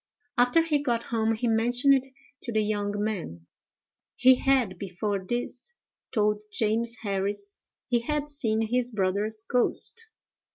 After he got home he mentioned it to the young man. He had, before this, told James Harris he had seen his brother's ghost.